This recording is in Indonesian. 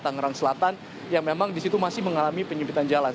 tangerang selatan yang memang di situ masih mengalami penyempitan jalan